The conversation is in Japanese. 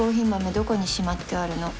どこにしまってあるの？」